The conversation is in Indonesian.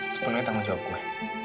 sepenuhnya tanggung jawab gue